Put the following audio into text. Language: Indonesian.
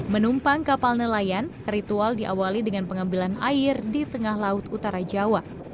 menumpang kapal nelayan ritual diawali dengan pengambilan air di tengah laut utara jawa